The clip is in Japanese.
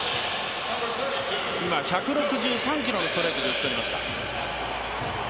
１６３キロのストレートで打ち取りました。